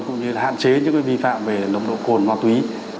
cũng như hạn chế những vi phạm về nồng độ cồn và túy